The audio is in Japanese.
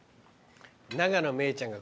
永野芽郁ちゃんが？